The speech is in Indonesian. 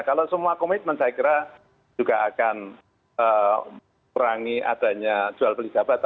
kalau semua komitmen saya kira juga akan kurangi adanya jual beli jabatan